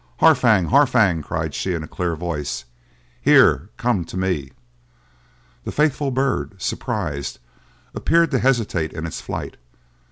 "Harfang! Harfang!" cried she in a clear voice; "here! come to me!" The faithful bird, surprised, appeared to hesitate in its flight.